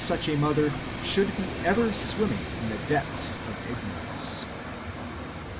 177 such a mother should be ever swimming in the depths of ignorance. 9.